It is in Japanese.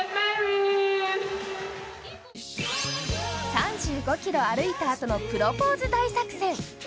３５ｋｍ歩いたあとのプロポーズ大作戦。